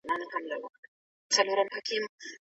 هغه ورځ چې موږ یو سو نو هیواد جوړیږي.